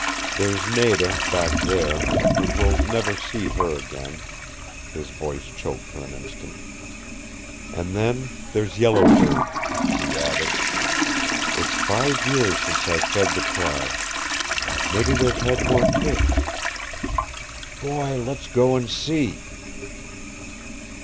There's Nada back there, and we'll never see her again " His voice choked for an instant. "And then there's Yellow Bird " he added. "It's five years since I fed the tribe. Mebby they've had more kids! Boy, let's go and see!"